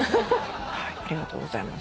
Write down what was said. ありがとうございます。